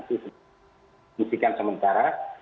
itu musikan sementara